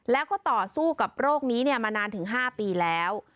แล้วก็ต่อสู้กับโรคนี้มานานถึง๕ปีแล้ว